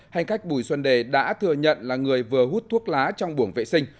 hành khách bùi xuân đê đã thừa nhận là người vừa hút thuốc lá trong buồng vệ sinh